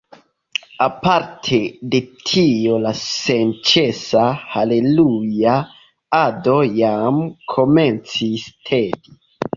Aparte de tio la senĉesa haleluja-ado jam komencis tedi.